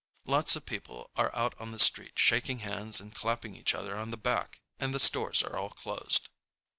Lots of people are out on the street shaking hands and clapping each other on the back, and the stores are all closed.